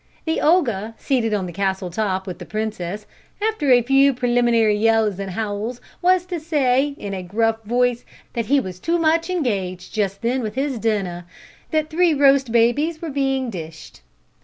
The ogre, seated on the castle top with the princess, after a few preliminary yells and howls, was to say, in a gruff voice, that he was too much engaged just then with his dinner that three roast babies were being dished.